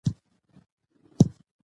سړی د خپلې کورنۍ لپاره هڅاند وي